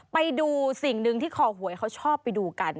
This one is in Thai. ไปดูสิ่งหนึ่งที่คอหวยเขาชอบไปดูกัน